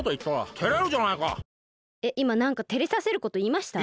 えっいまなんかてれさせることいいました？